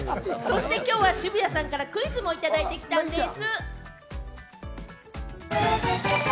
きょうは渋谷さんからクイズもいただいてきたんでぃす！